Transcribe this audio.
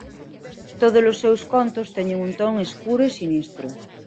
Todos os seus contos teñen un ton escuro e sinistro.